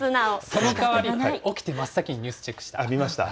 そのかわり、起きて真っ先にニュース、チェックしました。